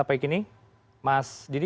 apakah sudah efektif berjelas sampai kini